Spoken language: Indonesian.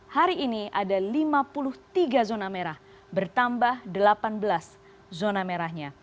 hari ini ada lima puluh tiga zona merah bertambah delapan belas zona merahnya